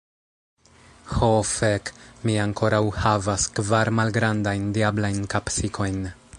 Ho fek, mi ankoraŭ havas kvar malgrandajn diablajn kapsikojn.